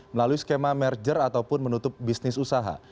melalui skema merger ataupun menutup bisnis usaha